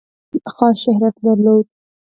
خاص شهرت درلود.